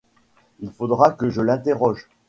Il faudra que je l'interroge.